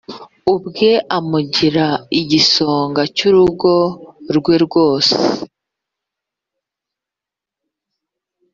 ubwe amugira igisonga cy urugo rwe rwose